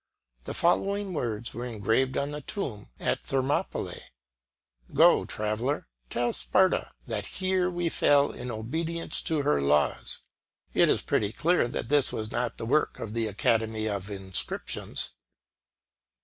The following words were engraved on a tomb at Thermopylae "Go, Traveller, tell Sparta that here we fell in obedience to her laws." It is pretty clear that this was not the work of the Academy of Inscriptions.